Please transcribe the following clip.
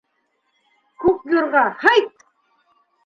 Күк юрға, һайт!